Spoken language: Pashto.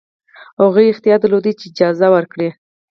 هغوی اختیار درلود چې اجازه ورکړي.